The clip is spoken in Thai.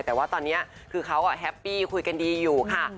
แต่ว่าตอนนี้คือเขาแฮปปี้คุยกันดีอยู่ค่ะ